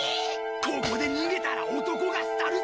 ここで逃げたら男がすたるぜ！